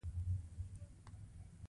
وینز ښار د ټاپوګانو ټولګه ده